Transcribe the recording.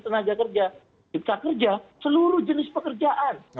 tenaga kerja cipta kerja seluruh jenis pekerjaan